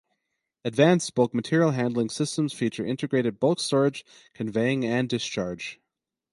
Advanced bulk material handling systems feature integrated bulk storage, conveying, and discharge.